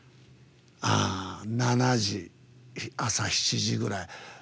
７時朝７時ぐらい。